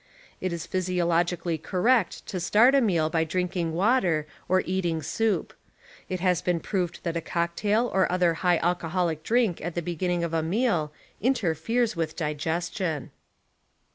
It is ))hysiologically correct to start a meal by drinking water or eating soup. It has been ])roved that a cocktail or other high alcoholic drink at the beginning of a meal interferes with digestion.